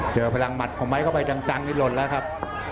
เจอพลังหมัดของไม้เข้าไปจังจังนิดหล่อนล่ะครับ